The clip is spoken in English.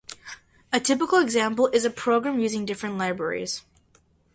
A typical example is a program using different libraries.